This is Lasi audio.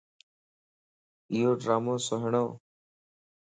ايوڊرامو سڻھوَ